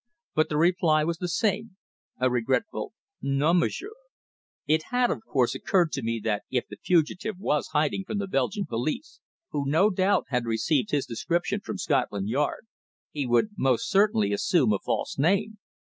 But the reply was the same a regretful "Non, m'sieur." It had, of course, occurred to me that if the fugitive was hiding from the Belgian police, who no doubt had received his description from Scotland Yard, he would most certainly assume a false name.